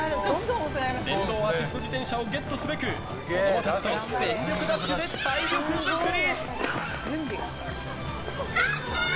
電動アシスト自転車をゲットすべく子供たちと全力ダッシュで体力作り！